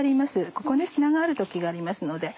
ここね砂がある時がありますので。